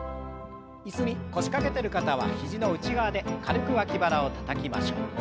椅子に腰掛けてる方は肘の内側で軽く脇腹をたたきましょう。